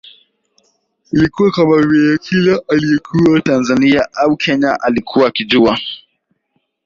Ilikuwa kama vile kila aliyekuwa Tanzania au Kenya alikuwa akijua